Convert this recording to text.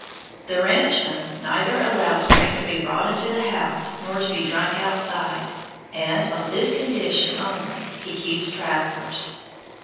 The ranchman neither allows drink to be brought into the house nor to be drunk outside, and on this condition only he "keeps travelers."